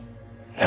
何？